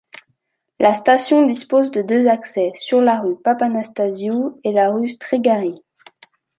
La station dispose de deux accès, sur la rue Papanastasiou et la rue Striggari.